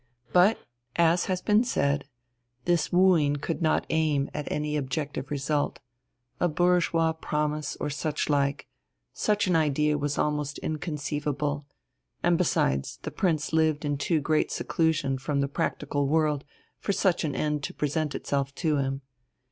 But, as has been said, this wooing could not aim at any objective result, a bourgeois promise or such like such an idea was almost inconceivable, and besides the Prince lived in too great seclusion from the practical world for such an end to present itself to him.